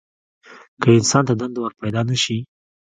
که انسان ته دنده ورپیدا نه شي.